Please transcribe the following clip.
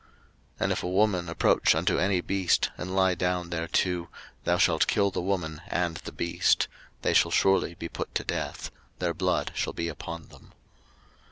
03:020:016 And if a woman approach unto any beast, and lie down thereto, thou shalt kill the woman, and the beast: they shall surely be put to death; their blood shall be upon them.